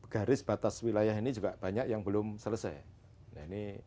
garis batas wilayah ini juga banyak yang belum selesai